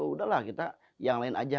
udahlah kita yang lain aja